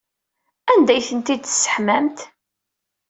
Anda ay ten-id-tesseḥmamt?